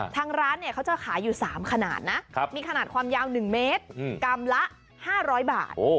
ทางร้านเขาจะขายอยู่๓ขนาดนะมีขนาดความยาว๑เมตรกรัมละ๕๐๐บาท